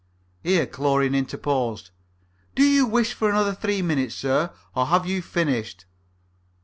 Here Chlorine interposed: "Do you wish for another three minutes, sir, or have you finished?"